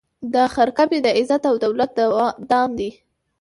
دا خرقه مي د عزت او دولت دام دی